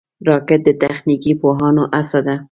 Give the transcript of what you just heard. راکټ د تخنیکي پوهانو هڅه ده